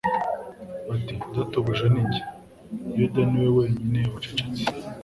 bati "Databuja ninjye?" Yuda ni we wenyine wacecetse.